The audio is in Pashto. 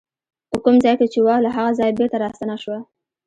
په کوم ځای کې چې وه له هغه ځایه بېرته راستنه شوه.